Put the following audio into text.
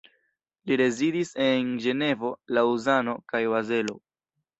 Li rezidis en Ĝenevo, Laŭzano kaj Bazelo.